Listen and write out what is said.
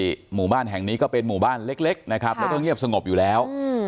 หมู่บ้านแห่งนี้ก็เป็นหมู่บ้านเล็กนะครับแล้วก็เงียบสงบอยู่แล้ว